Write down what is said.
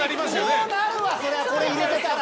こうなるわそりゃこれ入れたら。